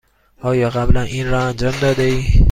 آیا قبلا این را انجام داده ای؟